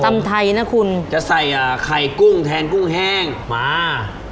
ตำไทยนะคุณจะใส่อ่าไข่กุ้งแทนกุ้งแห้งมา